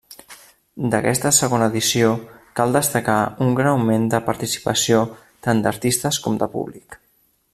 D'aquesta segona edició cal destacar un gran augment de participació tant d'artistes com de públic.